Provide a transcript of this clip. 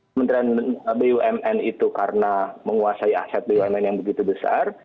kementerian bumn itu karena menguasai aset bumn yang begitu besar